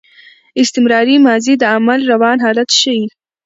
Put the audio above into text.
استمراري ماضي د عمل روان حالت ښيي.